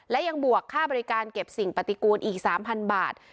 และยังบวกค่าบริการเก็บสิ่งปฏิกูลอีก๓๐๐บาท